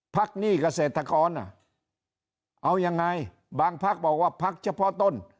หนี้เกษตรกรเอายังไงบางพักบอกว่าพักเฉพาะต้น